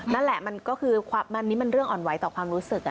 นั่นแหละมันก็คือนี่มันเรื่องอ่อนไหวต่อความรู้สึก